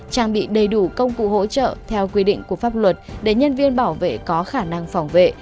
trang bị đầy đủ công cụ hỗ trợ theo quy định của pháp luật để nhân viên bảo vệ có khả năng phòng vệ